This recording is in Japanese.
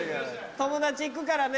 友達行くからね。